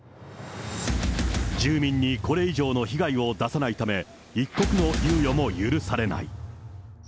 住民にこれ以上の被害を出さないため、一刻の猶予も許されない。